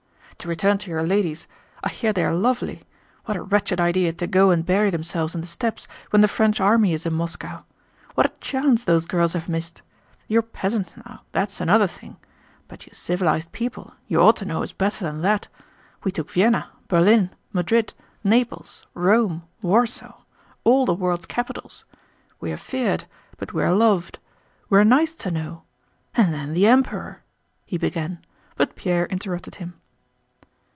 "To return to your ladies—I hear they are lovely. What a wretched idea to go and bury themselves in the steppes when the French army is in Moscow. What a chance those girls have missed! Your peasants, now—that's another thing; but you civilized people, you ought to know us better than that. We took Vienna, Berlin, Madrid, Naples, Rome, Warsaw, all the world's capitals.... We are feared, but we are loved. We are nice to know. And then the Emperor..." he began, but Pierre interrupted him.